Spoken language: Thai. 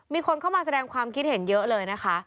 มีคนเข้ามาแสดงความคิดเห็นเยอะเลยนะคะ